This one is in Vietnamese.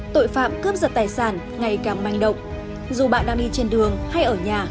tội phạm cướp giật tài sản ngày càng manh động dù bạn đang đi trên đường hay ở nhà